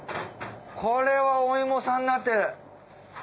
これはお芋さんになってる。